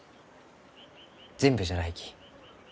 全部じゃないき。